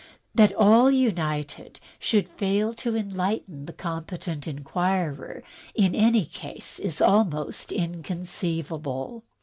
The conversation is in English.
That all united should fail to enlighten the comp)etent inquirer in any case is almost inconceivable."